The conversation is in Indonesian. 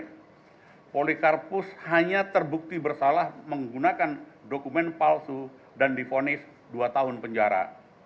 empat oktober dua ribu enam polikarpus hanya terbukti bersalah menggunakan dokumen palsu dan difonis dua tahun penjara